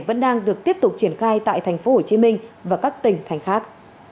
vẫn đang được tiếp tục triển khai tại tp hcm và các tỉnh thành khác